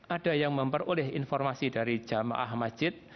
ada yang memperoleh informasi dari jamaah masjid